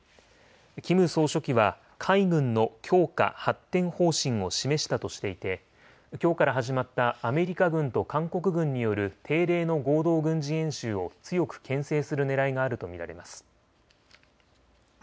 キム総書記は海軍の強化・発展方針を示したとしていてきょうから始まったアメリカ軍と韓国軍による定例の合同軍事演習を強くけん制するねらいがあると見られます。